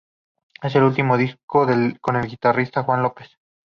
Es el último disco con el guitarrista Juan López.